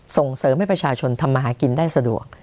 ส่งเสริมให้ประชาชนทำมาหากินได้สะดวก